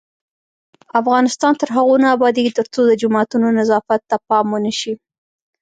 افغانستان تر هغو نه ابادیږي، ترڅو د جوماتونو نظافت ته پام ونشي.